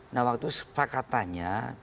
nah waktu itu sepakatannya